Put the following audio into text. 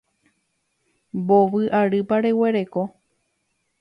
Mbovy arýpa reguereko.